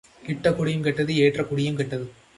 இட்ட குடியும் கெட்டது ஏற்ற குடியும் கெட்டது.